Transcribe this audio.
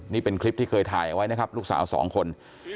นี่เป็นคลิปที่เคยถ่ายเอาไว้นะครับลูกสาวสองคน